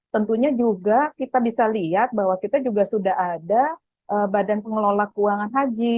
tentunya juga kita bisa lihat bahwa kita juga sudah ada badan pengelola keuangan haji